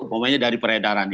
pokoknya dari peredaran itu